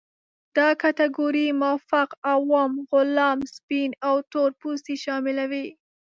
دا کټګورۍ مافوق، عوام، غلام، سپین او تور پوستې شاملوي.